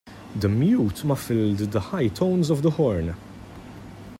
The mute muffled the high tones of the horn.